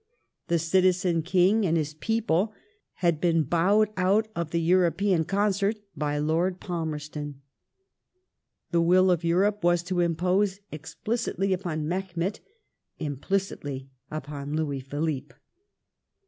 The Citizen King and his people had been bowed out of p"^ the European concert by Lord Palmerston. The will of Europe was to be imposed explicitly upon Mehemet ; implicitly upon Louis Philippe.